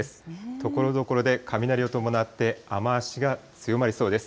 ところどころで雷を伴って、雨足が強まりそうです。